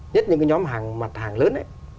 nhất những nhóm mặt hàng lớn